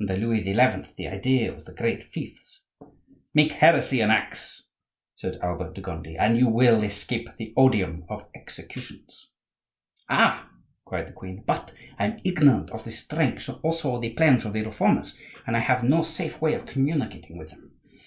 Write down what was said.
"Under Louis XI. the idea was the great Fiefs—" "Make heresy an axe," said Albert de Gondi, "and you will escape the odium of executions." "Ah!" cried the queen, "but I am ignorant of the strength and also of the plans of the Reformers; and I have no safe way of communicating with them.